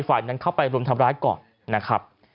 ฝ่ายนั้นเข้าไปรุมทำร้ายก่อนนะครับ